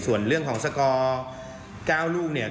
ส่วนเรื่องของสกอร์๙ลูกเนี่ย